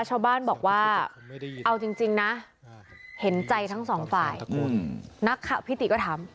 ชาวบ้านบอกว่าเอาจริงนะเห็นใจทั้งสองฝ่ายนักข่าวพิติก็ถาม